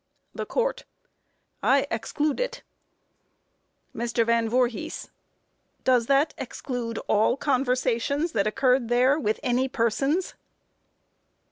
THE COURT: I exclude it. MR. VAN VOORHIS: Does that exclude all conversations that occurred there with any persons?